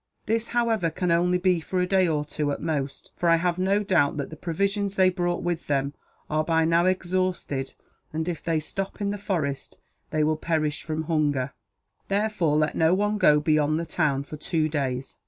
This, however, can only be for a day or two, at most; for I have no doubt that the provisions they brought with them are, by now, exhausted and, if they stop in the forest, they will perish from hunger; therefore let no one go beyond the town, for two days.